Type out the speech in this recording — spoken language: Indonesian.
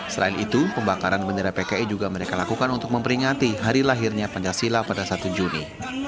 selain itu pembakaran bendera pki juga mereka lakukan untuk memperingati hari lahirnya pancasila pada satu juni